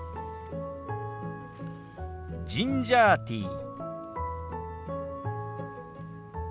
「ジンジャーティー」。